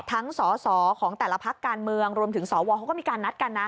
สอสอของแต่ละพักการเมืองรวมถึงสวเขาก็มีการนัดกันนะ